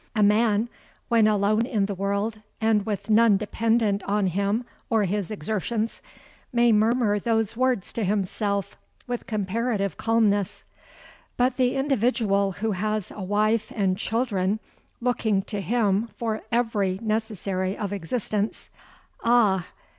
A man, when alone in the world and with none dependent on him or his exertions, may murmur those words to himself with comparative calmness: but the individual who has a wife and children looking to him for every necessary of existence—ah!